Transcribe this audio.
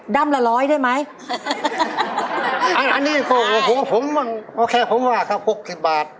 ด้ำละร้อยได้ไหมอันอันนี้ผมผมแค่ผมว่าครับหกสิบบาท